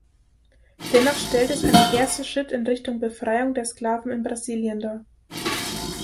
Dennoch stellt es einen ersten Schritt in Richtung Befreiung der Sklaven in Brasilien dar.